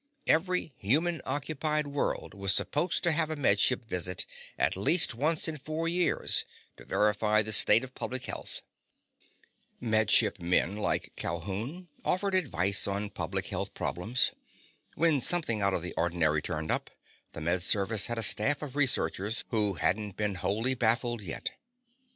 Every human occupied world was supposed to have a Med Ship visit at least once in four years to verify the state of public health. Med Ship men like Calhoun offered advice on public health problems. When something out of the ordinary turned up, the Med Service had a staff of researchers who hadn't been wholly baffled yet.